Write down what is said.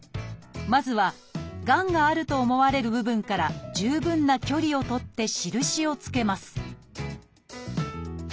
まずはがんがあると思われる部分から十分な距離を取って印を付けます